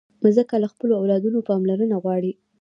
مځکه له خپلو اولادونو پاملرنه غواړي.